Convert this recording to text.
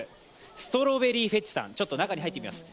ストロベリーフェチさん中に入ってみます。